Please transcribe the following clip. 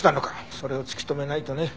それを突き止めないとね。